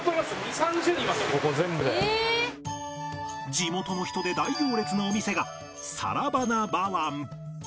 地元の人で大行列のお店がサラヴァナ・バワン